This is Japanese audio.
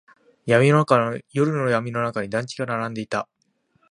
夜の闇の中に団地が並んでいた。